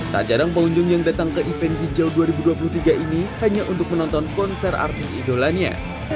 tak jarang pengunjung yang datang ke event hijau dua ribu dua puluh tiga ini hanya untuk menonton konser artis idolanya